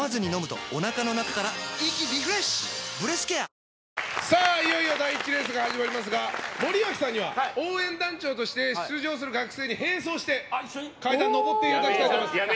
清々堂々清らかなる傑作「伊右衛門」いよいよ第１レースが始まりますが森脇さんには応援団長として出場する学生と並走して階段を上っていただきたいと思います。